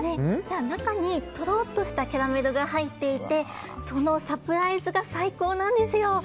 中にとろっとしたキャラメルが入っていてそのサプライズが最高なんですよ。